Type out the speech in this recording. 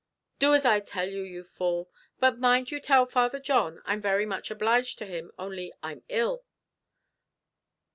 "Do as I tell you, you fool; but mind you tell Father John I'm very much obliged to him, only I'm ill."